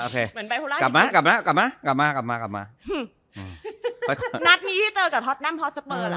โอเคเหมือนไปกลับมากลับมากลับมากลับมากลับมากลับมาอืมนัดมีพี่เต๋อร์กับท็อตนั่มท็อตสเปอร์เหรอคะ